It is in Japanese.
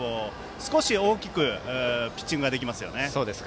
少し大きくピッチングができますよね。